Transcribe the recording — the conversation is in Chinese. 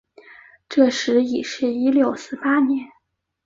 这时已是一六四八年。